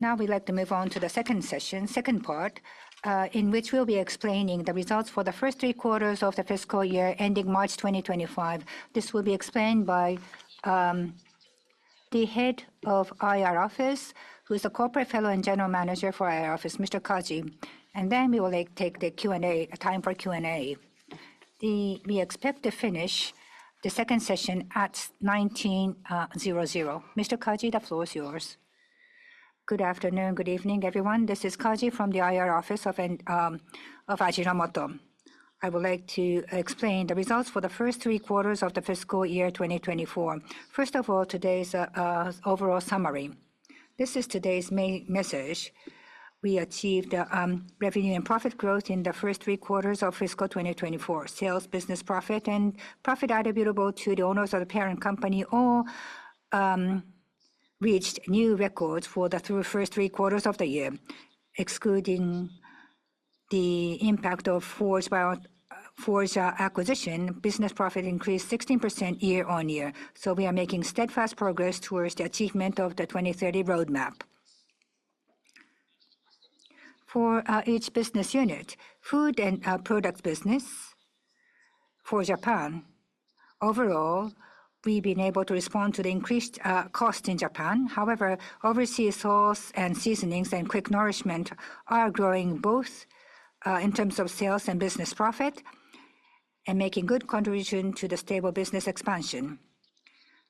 Now we'd like to move on to the second session, second part, in which we'll be explaining the results for the first three quarters of the fiscal year ending March 2025. This will be explained by the Head of the IR Office, who is a Corporate Fellow and General Manager for the IR Office, Mr. Kaji, and then we will take the Q&A time for Q&A. We expect to finish the second session at 7:00 P.M. Mr. Kaji, the floor is yours. Good afternoon, good evening, everyone. This is Kaji from the IR Office of Ajinomoto. I would like to explain the results for the first three quarters of the fiscal year 2024. First of all, today's overall summary. This is today's main message. We achieved revenue and profit growth in the first three quarters of fiscal 2024. Sales, business profit, and profit attributable to the owners of the parent company all reached new records for the first three quarters of the year. Excluding the impact of Forge acquisition, business profit increased 16% year on year. So we are making steadfast progress towards the achievement of the 2030 roadmap. For each business unit, food and product business for Japan, overall, we've been able to respond to the increased cost in Japan. However, overseas sauce and seasonings and quick-frozen foods are growing both in terms of sales and business profit and making good contribution to the stable business expansion.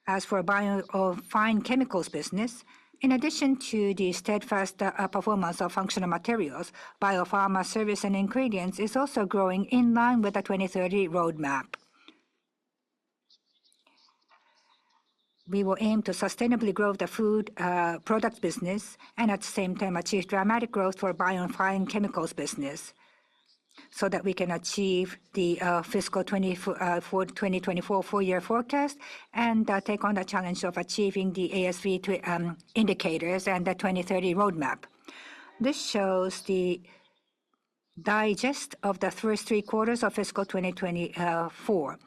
As for Bio- & Fine Chemicals business, in addition to the steadfast performance of Functional Materials, Bio-pharma services and ingredients is also growing in line with the 2030 roadmap. We will aim to sustainably grow the food product business and at the same time achieve dramatic growth for Bio & Fine Chemicals business so that we can achieve the fiscal 2024 full year forecast and take on the challenge of achieving the ASV indicators and the 2030 roadmap. This shows the digest of the first three quarters of fiscal 2024,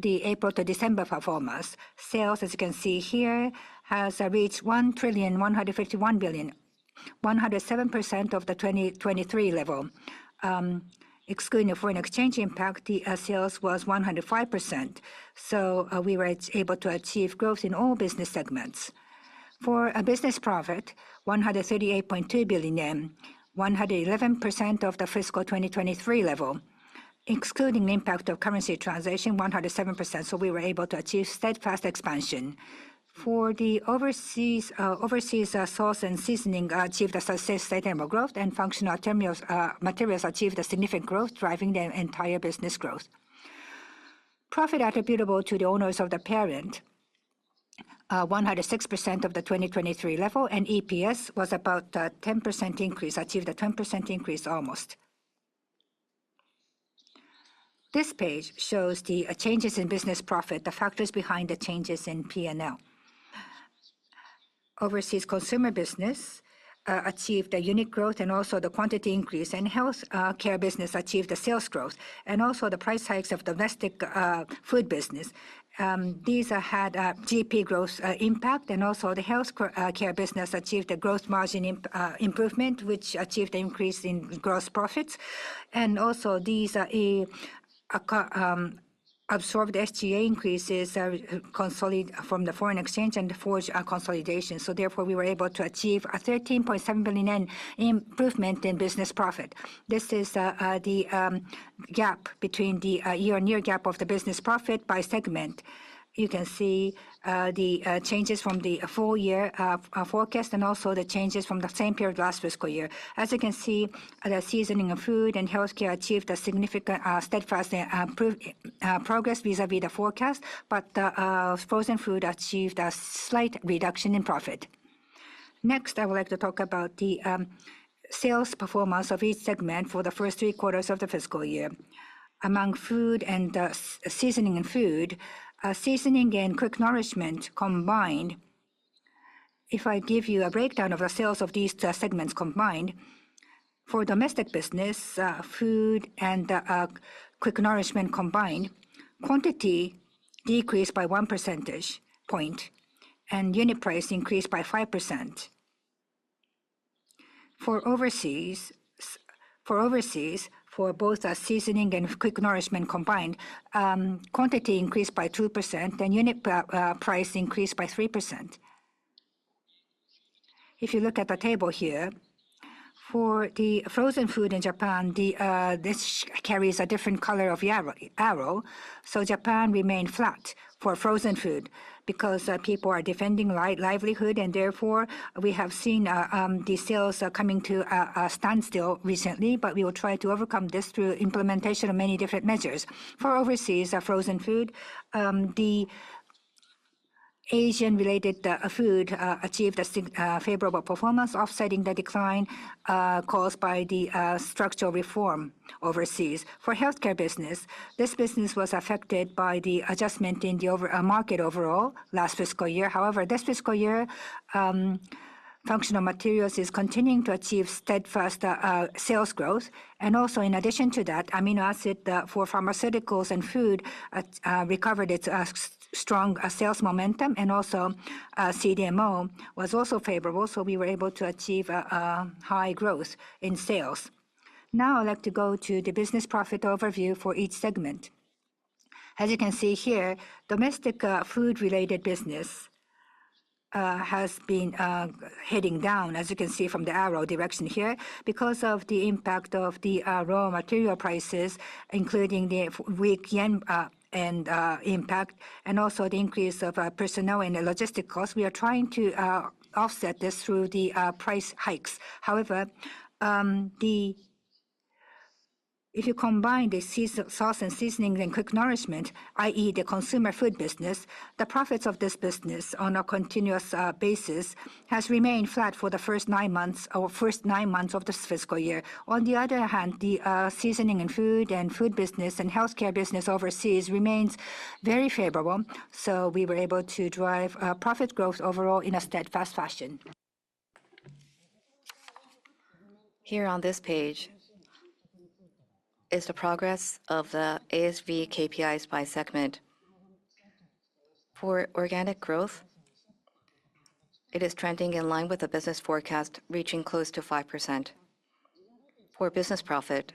the April to December performance. Sales, as you can see here, has reached 1 trillion 151 billion, 107% of the 2023 level. Excluding foreign exchange impact, sales was 105%. So we were able to achieve growth in all business segments. For business profit, 138.2 billion yen, 111% of the fiscal 2023 level. Excluding the impact of currency translation, 107%. So we were able to achieve steadfast expansion. For the overseas sauce and seasoning, achieved a sustainable growth and Functional Materials achieved a significant growth, driving the entire business growth. Profit attributable to the owners of the parent, 106% of the 2023 level and EPS was about a 10% increase, achieved a 10% increase almost. This page shows the changes in business profit, the factors behind the changes in P&L. Overseas consumer business achieved a unique growth and also the quantity increase and Healthcare business achieved the sales growth and also the price hikes of domestic food business. These had GP growth impact and also the Healthcare business achieved a gross margin improvement, which achieved an increase in gross profits. And also these absorbed SGA increases consolidated from the foreign exchange and Forge consolidation. So therefore we were able to achieve a 13.7 billion yen improvement in business profit. This is the gap between the year-on-year gap of the business profit by segment. You can see the changes from the full year forecast and also the changes from the same period last fiscal year. As you can see, the seasoning of food and healthcare achieved a significant steadfast progress vis-à-vis the forecast, but Frozen Foods achieved a slight reduction in profit. Next, I would like to talk about the sales performance of each segment for the first three quarters of the fiscal year. Among food and Seasonings and Foods, seasoning and Quick Nourishment combined, if I give you a breakdown of the sales of these segments combined, for domestic business, food and Quick Nourishment combined, quantity decreased by one percentage point and unit price increased by 5%. For overseas, for both seasoning and Quick Nourishment combined, quantity increased by 2% and unit price increased by 3%. If you look at the table here, for the Frozen Foods in Japan, this carries a different color of arrow, so Japan remained flat for Frozen Foods because people are defending livelihood and therefore we have seen the sales coming to a standstill recently, but we will try to overcome this through implementation of many different measures. For overseas Frozen Foods, the Asian-related food achieved a favorable performance, offsetting the decline caused by the structural reform overseas. For Healthcare business, this business was affected by the adjustment in the market overall last fiscal year. However, this fiscal year, Functional Materials is continuing to achieve steadfast sales growth, and also in addition to that, amino acid for pharmaceuticals and food recovered its strong sales momentum and also CDMO was also favorable, so we were able to achieve a high growth in sales. Now I'd like to go to the business profit overview for each segment. As you can see here, domestic food-related business has been heading down, as you can see from the arrow direction here, because of the impact of the raw material prices, including the weak yen impact and also the increase of personnel and logistics costs. We are trying to offset this through the price hikes. However, if you combine the sauce and seasoning and quick-frozen, i.e., the consumer food business, the profits of this business on a continuous basis has remained flat for the first nine months of this fiscal year. On the other hand, the Seasonings and Foods business and Healthcare business overseas remains very favorable. So we were able to drive profit growth overall in a steadfast fashion. Here on this page is the progress of the ASV KPIs by segment. For organic growth, it is trending in line with the business forecast, reaching close to 5%. For business profit,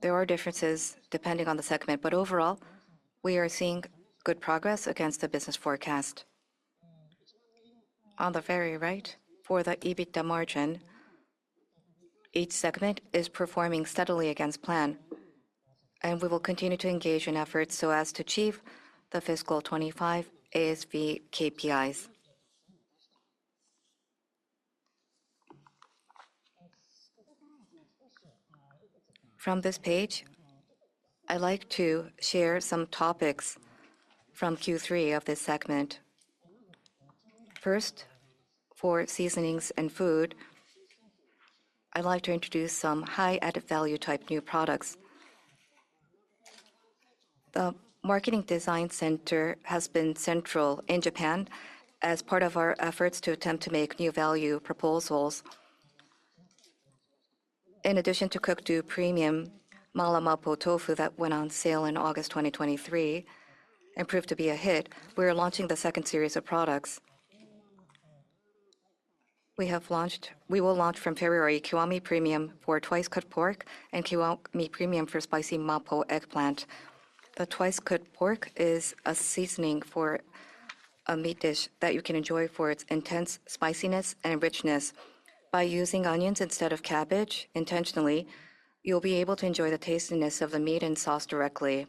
there are differences depending on the segment, but overall we are seeing good progress against the business forecast. On the very right, for the EBITDA margin, each segment is performing steadily against plan, and we will continue to engage in efforts so as to achieve the fiscal 25 ASV KPIs. From this page, I'd like to share some topics from Q3 of this segment. First, for seasonings and food, I'd like to introduce some high-added value type new products. The Marketing Design Center has been central in Japan as part of our efforts to attempt to make new value proposals. In addition to cooked premium Mala Mapo Tofu that went on sale in August 2023 and proved to be a hit, we are launching the second series of products. We will launch from February Kiwami Premium for Twice Cooked Pork and Kiwami Premium for Spicy Mapo Eggplant. The Twice Cooked Pork is a seasoning for a meat dish that you can enjoy for its intense spiciness and richness. By using onions instead of cabbage intentionally, you'll be able to enjoy the tastiness of the meat and sauce directly.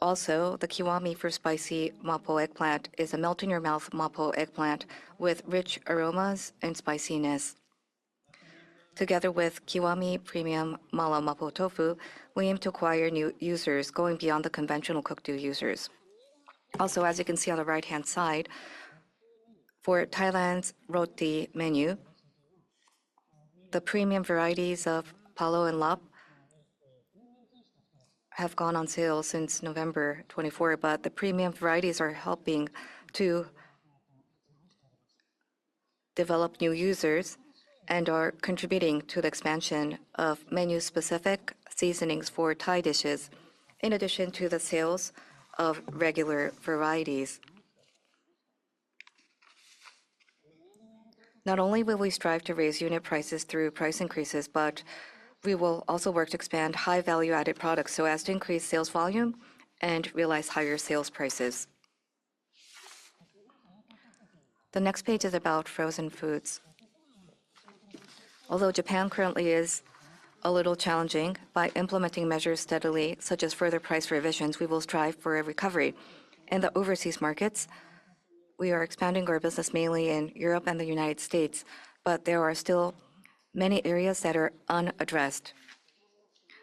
Also, the Kiwami for Spicy Mapo Eggplant is a melt-in-your-mouth Mapo eggplant with rich aromas and spiciness. Together with Kiwami Premium Mala Mapo Tofu, we aim to acquire new users going beyond the conventional cooked users. Also, as you can see on the right-hand side, for Thailand's roti menu, the premium varieties of palo and lap have gone on sale since November 24, but the premium varieties are helping to develop new users and are contributing to the expansion of menu-specific seasonings for Thai dishes in addition to the sales of regular varieties. Not only will we strive to raise unit prices through price increases, but we will also work to expand high-value-added products so as to increase sales volume and realize higher sales prices. The next page is about Frozen Foods. Although Japan currently is a little challenging by implementing measures steadily, such as further price revisions, we will strive for a recovery. In the overseas markets, we are expanding our business mainly in Europe and the United States, but there are still many areas that are unaddressed.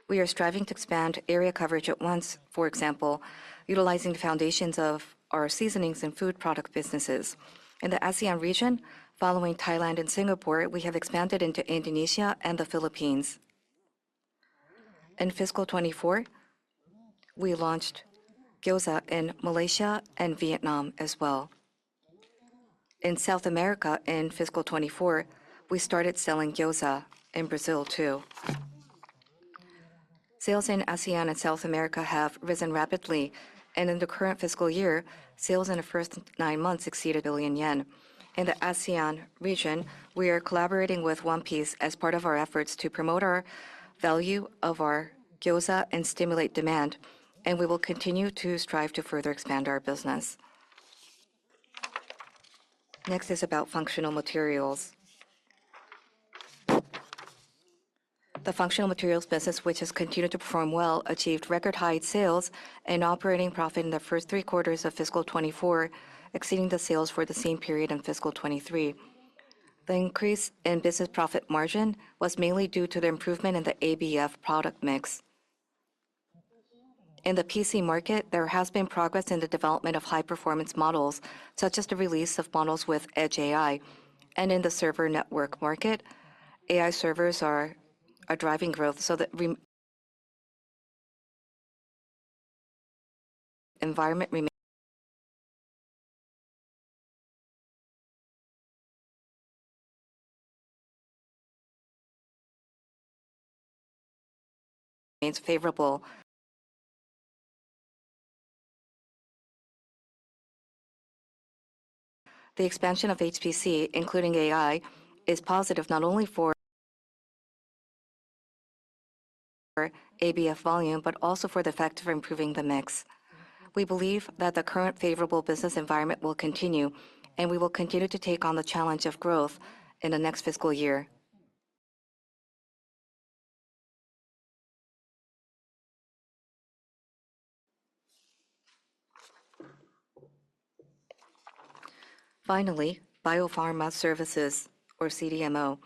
We are striving to expand area coverage at once, for example, utilizing the foundations of our seasonings and food product businesses. In the ASEAN region, following Thailand and Singapore, we have expanded into Indonesia and the Philippines. In fiscal 2024, we launched gyoza in Malaysia and Vietnam as well. In South America, in fiscal 2024, we started selling gyoza in Brazil too. Sales in ASEAN and South America have risen rapidly, and in the current fiscal year, sales in the first nine months exceeded 1 billion yen. In the ASEAN region, we are collaborating with One Piece as part of our efforts to promote the value of our gyoza and stimulate demand, and we will continue to strive to further expand our business. Next is about Functional Materials. The Functional Materials business, which has continued to perform well, achieved record-high sales and operating profit in the first three quarters of fiscal 2024, exceeding the sales for the same period in fiscal 2023. The increase in business profit margin was mainly due to the improvement in the ABF product mix. In the PC market, there has been progress in the development of high-performance models, such as the release of models with Edge AI. In the server network market, AI servers are a driving growth so that the environment remains favorable. The expansion of HPC, including AI, is positive not only for ABF volume, but also for the effect of improving the mix. We believe that the current favorable business environment will continue, and we will continue to take on the challenge of growth in the next fiscal year. Finally, Bio-Pharma Services, or CDMO.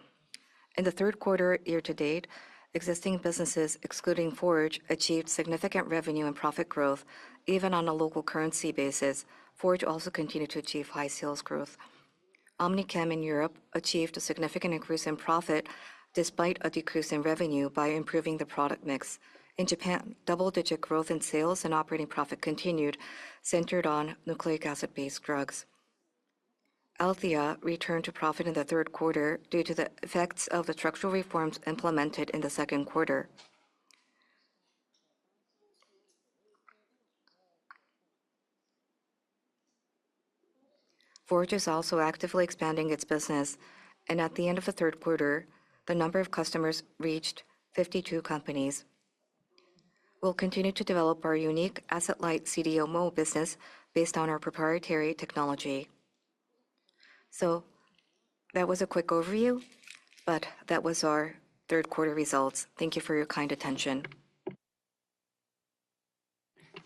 In the third quarter year to date, existing businesses, excluding Forge, achieved significant revenue and profit growth, even on a local currency basis. Forge also continued to achieve high sales growth. OmniChem in Europe achieved a significant increase in profit despite a decrease in revenue by improving the product mix. In Japan, double-digit growth in sales and operating profit continued, centered on nucleic acid-based drugs. Althea returned to profit in the third quarter due to the effects of the structural reforms implemented in the second quarter. Forge is also actively expanding its business, and at the end of the third quarter, the number of customers reached 52 companies. We'll continue to develop our unique asset-light CDMO business based on our proprietary technology. So that was a quick overview, but that was our third quarter results. Thank you for your kind attention.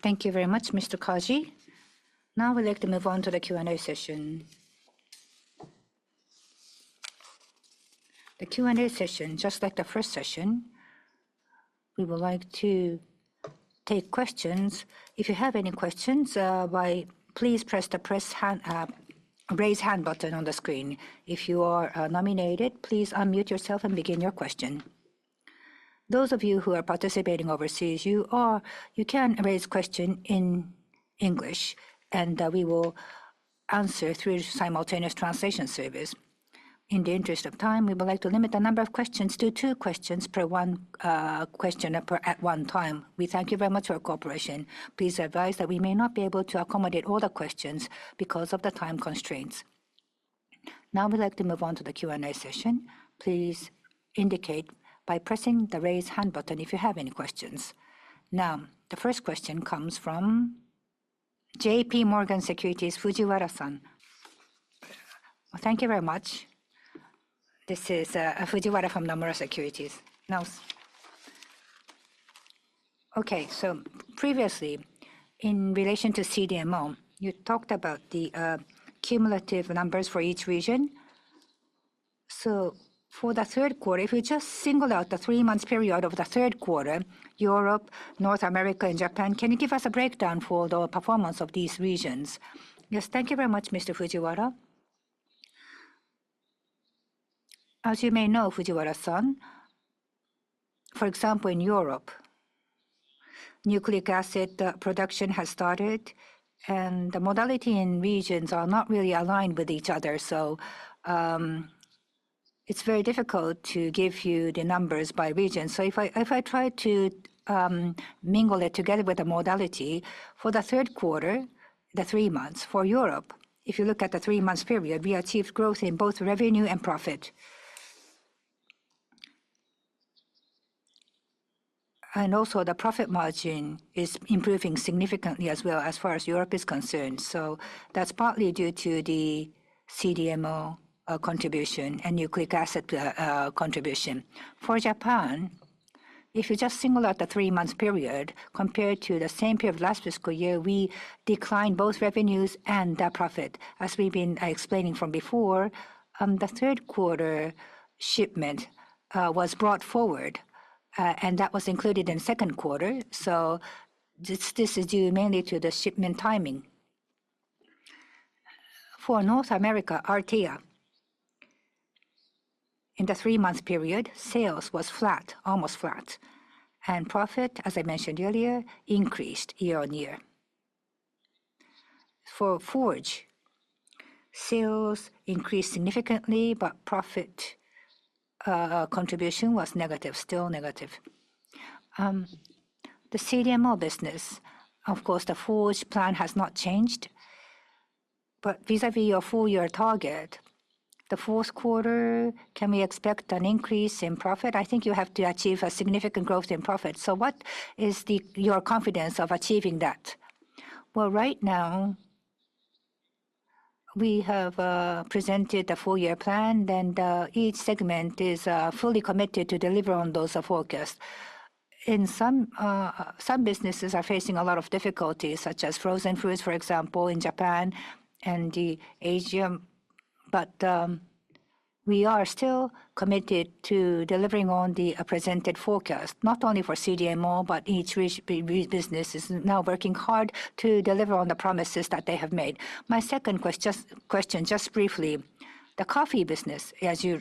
Thank you very much, Mr. Kaji. Now we'd like to move on to the Q&A session. The Q&A session, just like the first session, we would like to take questions. If you have any questions, please press the raise hand button on the screen. If you are nominated, please unmute yourself and begin your question. Those of you who are participating overseas, you can raise questions in English, and we will answer through simultaneous translation service. In the interest of time, we would like to limit the number of questions to two questions per one question at one time. We thank you very much for your cooperation. Please advise that we may not be able to accommodate all the questions because of the time constraints. Now we'd like to move on to the Q&A session. Please indicate by pressing the raise hand button if you have any questions. Now, the first question comes from J.P. Morgan Securities, Fujiwara-san. Thank you very much. This is Fujiwara from Nomura Securities. Now, okay, so previously, in relation to CDMO, you talked about the cumulative numbers for each region. So for the third quarter, if you just single out the three-month period of the third quarter, Europe, North America, and Japan, can you give us a breakdown for the performance of these regions? Yes, thank you very much, Mr. Fujiwara. As you may know, Fujiwara-san, for example, in Europe, nucleic acid production has started, and the modality in regions are not really aligned with each other. So it's very difficult to give you the numbers by region. So if I try to mingle it together with the modality, for the third quarter, the three months, for Europe, if you look at the three-month period, we achieved growth in both revenue and profit. Also, the profit margin is improving significantly as well as far as Europe is concerned. So that's partly due to the CDMO contribution and nucleic acid contribution. For Japan, if you just single out the three-month period compared to the same period last fiscal year, we declined both revenues and profit. As we've been explaining from before, the third quarter shipment was brought forward, and that was included in the second quarter. So this is due mainly to the shipment timing. For North America, Althea, in the three-month period, sales was flat, almost flat, and profit, as I mentioned earlier, increased year on year. For Forge, sales increased significantly, but profit contribution was negative, still negative. The CDMO business, of course, the Forge plan has not changed, but vis-à-vis your four-year target, the fourth quarter, can we expect an increase in profit? I think you have to achieve a significant growth in profit. So what is your confidence of achieving that? Well, right now, we have presented the four-year plan, and each segment is fully committed to deliver on those forecasts. In some businesses, we are facing a lot of difficulties, such as Frozen Foods, for example, in Japan and Asia, but we are still committed to delivering on the presented forecast, not only for CDMO, but each business is now working hard to deliver on the promises that they have made. My second question, just briefly, the coffee business that you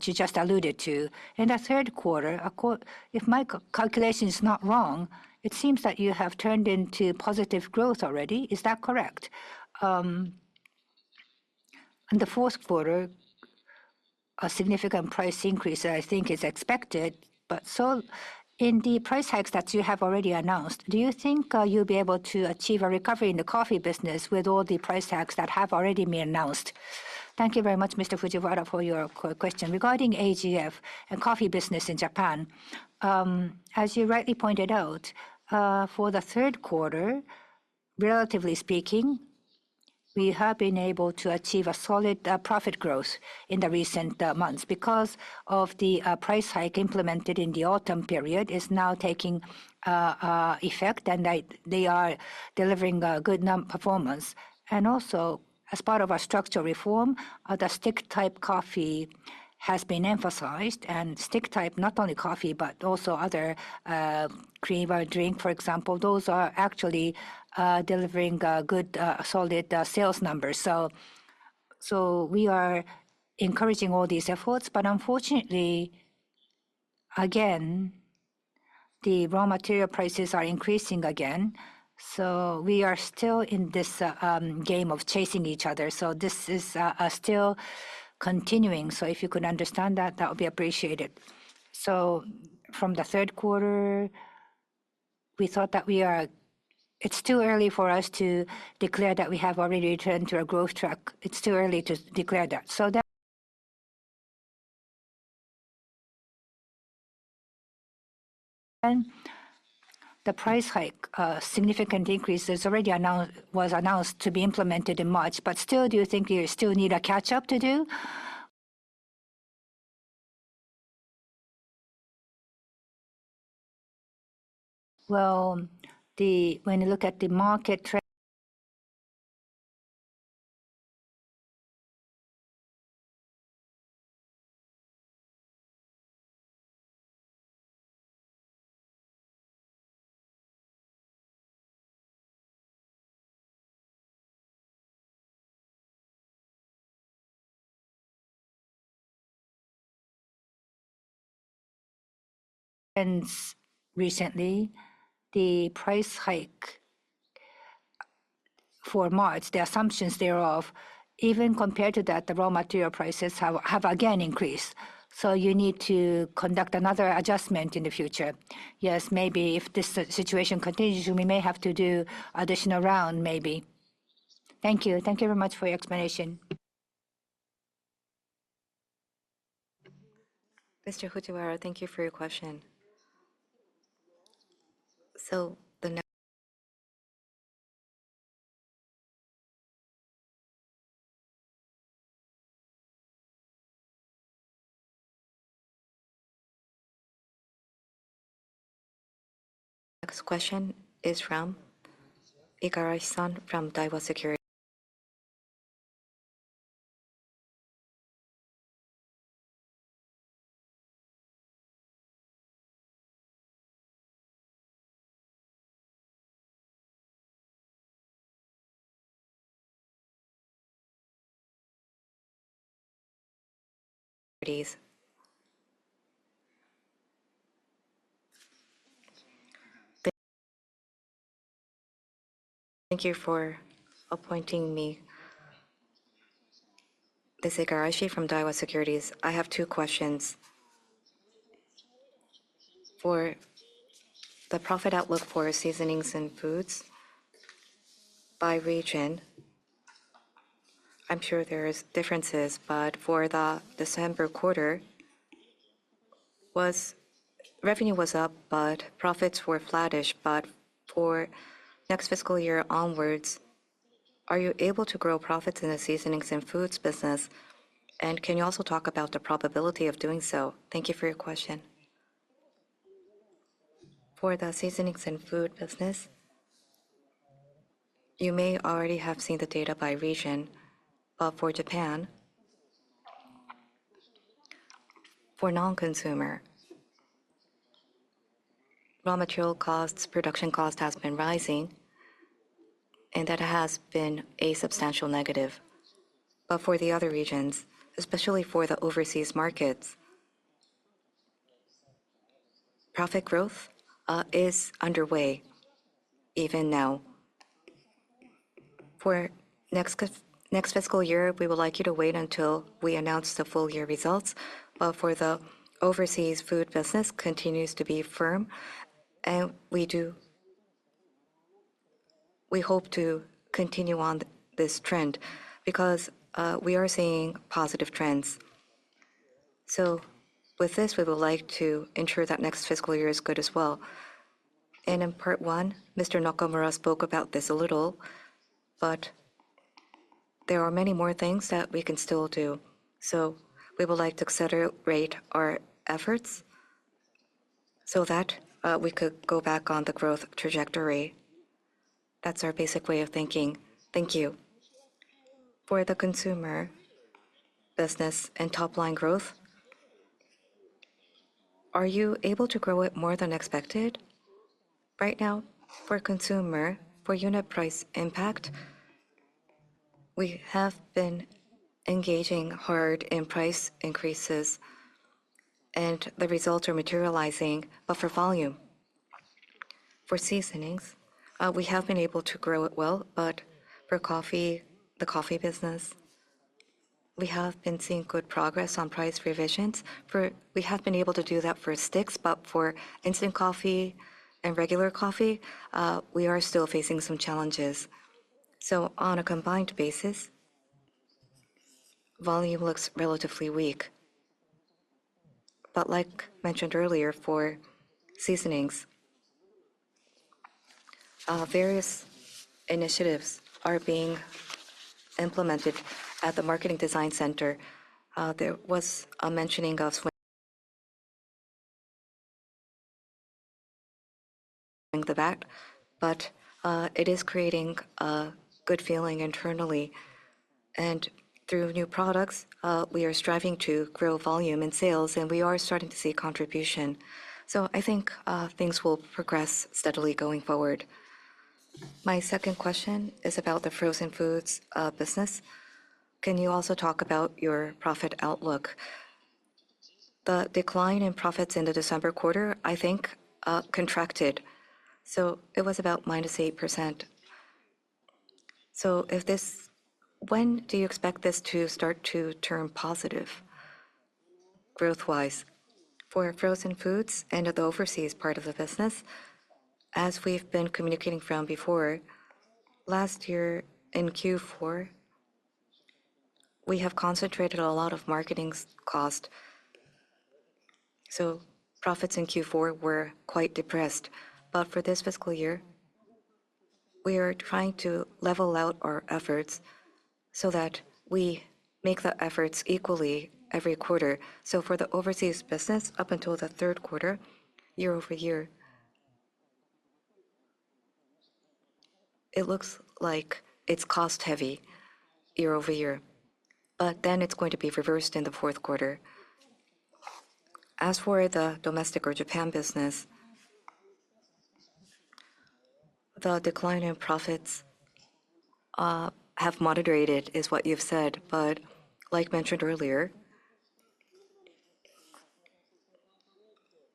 just alluded to, in the third quarter, if my calculation is not wrong, it seems that you have turned into positive growth already. Is that correct? In the fourth quarter, a significant price increase, I think, is expected, but so in the price hikes that you have already announced, do you think you'll be able to achieve a recovery in the coffee business with all the price hikes that have already been announced? Thank you very much, Mr. Fujiwara, for your question. Regarding AGF and coffee business in Japan, as you rightly pointed out, for the third quarter, relatively speaking, we have been able to achieve a solid profit growth in the recent months because of the price hike implemented in the autumn period is now taking effect, and they are delivering a good performance, and also, as part of our structural reform, the stick-type coffee has been emphasized, and stick-type not only coffee, but also other cream or drink, for example, those are actually delivering good, solid sales numbers. So we are encouraging all these efforts, but unfortunately, again, the raw material prices are increasing again. So we are still in this game of chasing each other. So this is still continuing. So if you could understand that, that would be appreciated. So from the third quarter, we thought that we are. It's too early for us to declare that we have already returned to a growth track. It's too early to declare that. So the price hike, significant increase, is already announced to be implemented in March, but still, do you think you still need a catch-up to do? Well, when you look at the market, recently, the price hike for March, the assumptions thereof, even compared to that, the raw material prices have again increased. So you need to conduct another adjustment in the future. Yes, maybe if this situation continues, we may have to do an additional round, maybe. Thank you. Thank you very much for your explanation. Mr. Fujiwara, thank you for your question. So the next question is from Akira-san from Daiwa Securities. Thank you for appointing me. This is Akira from Daiwa Securities. I have two questions. For the profit outlook for seasonings and foods by region, I'm sure there are differences, but for the December quarter, revenue was up, but profits were flattish. But for next fiscal year onwards, are you able to grow profits in the seasonings and foods business? And can you also talk about the probability of doing so? Thank you for your question. For the seasonings and food business, you may already have seen the data by region, but for Japan, for non-consumer, raw material costs, production costs have been rising, and that has been a substantial negative. But for the other regions, especially for the overseas markets, profit growth is underway even now. For next fiscal year, we would like you to wait until we announce the full-year results, but for the overseas food business, it continues to be firm, and we hope to continue on this trend because we are seeing positive trends, so with this, we would like to ensure that next fiscal year is good as well, and in part one, Mr. Nakamura spoke about this a little, but there are many more things that we can still do, so we would like to accelerate our efforts so that we could go back on the growth trajectory. That's our basic way of thinking. Thank you. For the consumer business and top-line growth, are you able to grow it more than expected? Right now, for consumer, for unit price impact, we have been engaging hard in price increases, and the results are materializing, but for volume, for seasonings, we have been able to grow it well. But for coffee, the coffee business, we have been seeing good progress on price revisions. We have been able to do that for sticks, but for instant coffee and regular coffee, we are still facing some challenges. So on a combined basis, volume looks relatively weak. But like mentioned earlier, for seasonings, various initiatives are being implemented at the Marketing Design Center. There was a mentioning of the back, but it is creating a good feeling internally. And through new products, we are striving to grow volume and sales, and we are starting to see contribution. So I think things will progress steadily going forward. My second question is about the Frozen Foods business. Can you also talk about your profit outlook? The decline in profits in the December quarter, I think, contracted. So it was about -8%. So when do you expect this to start to turn positive growth-wise? For Frozen Foods and the overseas part of the business, as we've been communicating from before, last year in Q4, we have concentrated a lot of marketing costs. So profits in Q4 were quite depressed. But for this fiscal year, we are trying to level out our efforts so that we make the efforts equally every quarter. So for the overseas business, up until the third quarter, year over year, it looks like it's cost-heavy year over year, but then it's going to be reversed in the fourth quarter. As for the domestic or Japan business, the decline in profits has moderated, is what you've said. But like mentioned earlier,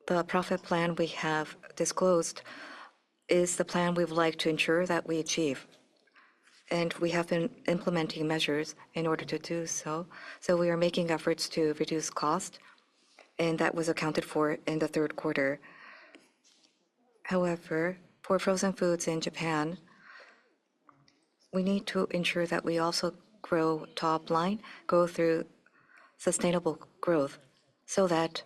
the profit plan we have disclosed is the plan we would like to ensure that we achieve. And we have been implementing measures in order to do so. So we are making efforts to reduce cost, and that was accounted for in the third quarter. However, for Frozen Foods in Japan, we need to ensure that we also grow top-line, go through sustainable growth so that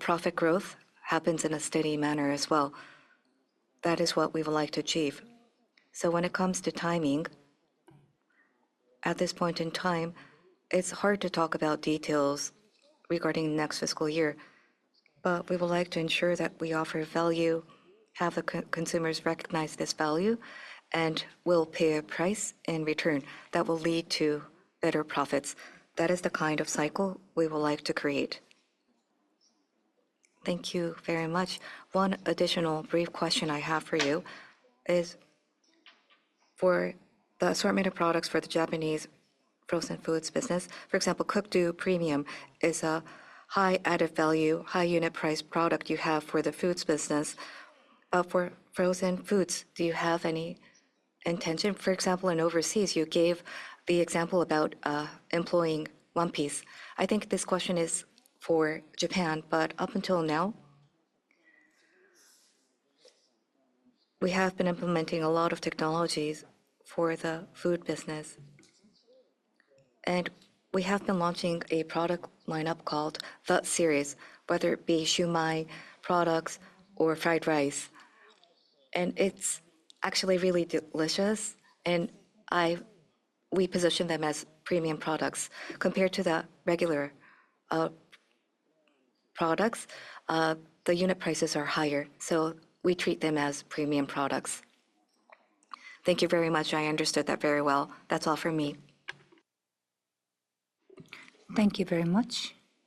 profit growth happens in a steady manner as well. That is what we would like to achieve. So when it comes to timing, at this point in time, it's hard to talk about details regarding next fiscal year, but we would like to ensure that we offer value, have the consumers recognize this value, and we'll pay a price in return that will lead to better profits. That is the kind of cycle we would like to create. Thank you very much. One additional brief question I have for you is for the assortment of products for the Japanese Frozen Foods business. For example, Cook Do Premium is a high added value, high unit price product you have for the foods business. For Frozen Foods, do you have any intention? For example, in overseas, you gave the example about employing One Piece. I think this question is for Japan, but up until now, we have been implementing a lot of technologies for the food business, and we have been launching a product lineup called the series, whether it be Shumai products or fried rice, and it's actually really delicious, and we position them as premium products. Compared to the regular products, the unit prices are higher, so we treat them as premium products. Thank you very much. I understood that very well. That's all for me. Thank you very much.